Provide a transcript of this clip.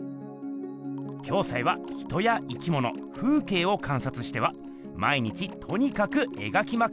暁斎は人や生きもの風けいをかんさつしては毎日とにかくえがきまくっていました。